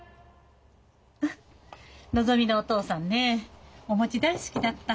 のぞみのお父さんねお餅大好きだった。